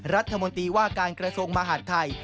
รัฐมนตรีว่าการกระทรวงมหาดไทย